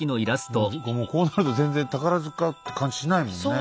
もうこうなると全然宝って感じしないもんね。